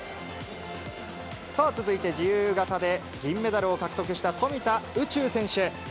続いて自由形で銀メダルを獲得した富田宇宙選手。